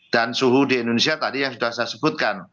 dan suhu di indonesia tadi yang sudah saya sebutkan